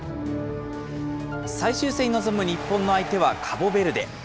最終戦に臨む日本の相手はカボベルデ。